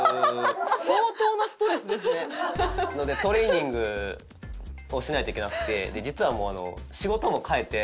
トレーニングをしないといけなくて実はもう仕事も変えて。